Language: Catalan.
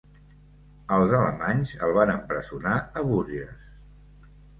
Els alemanys el van empresonar a Bourges.